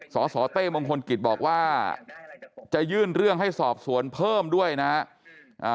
สสเต้มงคลกิจบอกว่าจะยื่นเรื่องให้สอบสวนเพิ่มด้วยนะฮะ